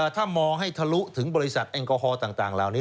ถ้ามองให้ทะลุถึงบริษัทแอลกอฮอล์ต่างเหล่านี้